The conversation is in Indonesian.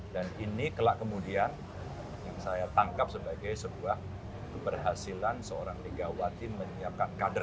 dan ini kelak kemudian yang saya tangkap sebagai sebuah keberhasilan seorang legawati menyiapkan kader